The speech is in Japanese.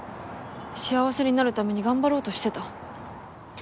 幸せになるために頑張ろうとしてた。